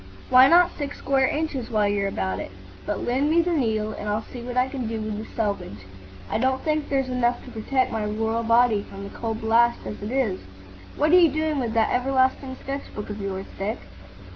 "Why not six square acres, while you're about it? But lend me the needle, and I'll see what I can do with the selvage. I don't think there's enough to protect my royal body from the cold blast as it is. What are you doing with that everlasting sketch book of yours, Dick?"